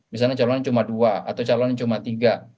misalnya calonnya cuma dua atau calon cuma tiga